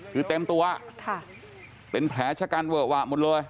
คือเต็มตัวเป็นแผลชะกันเวอะวะหมดเลย